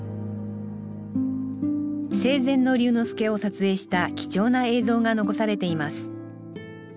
生前の龍之介を撮影した貴重な映像が残されています